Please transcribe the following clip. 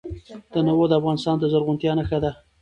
تنوع د افغانستان د زرغونتیا نښه ده.